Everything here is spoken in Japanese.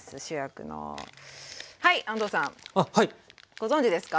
ご存じですか？